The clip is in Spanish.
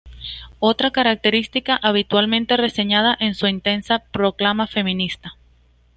Otra característica habitualmente reseñada es su intensa proclama feminista.